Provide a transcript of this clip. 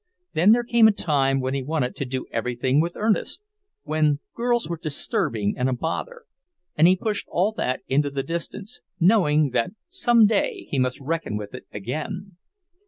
Then there came a time when he wanted to do everything with Ernest, when girls were disturbing and a bother, and he pushed all that into the distance, knowing that some day he must reckon with it again.